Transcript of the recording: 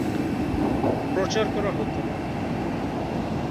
প্রচার করা হত।